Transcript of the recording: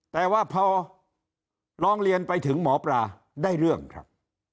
แต่ว่าพอร้องเรียนไปถึงหมอปลาได้เรื่องครับ